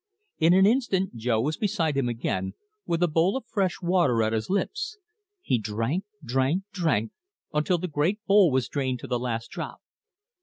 In an instant Jo was beside him again, with a bowl of fresh water at his lips. He drank, drank, drank, until the great bowl was drained to the last drop.